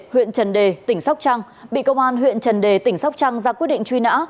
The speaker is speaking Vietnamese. huyện trần đề tỉnh sóc trăng bị công an huyện trần đề tỉnh sóc trăng ra quyết định truy nã